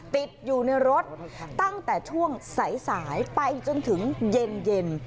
ติดอยู่ในรถตั้งแต่ช่วงสายไปจนถึงเย็น